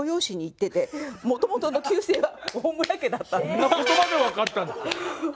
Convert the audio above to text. そしたらそんなことまで分かったんですか？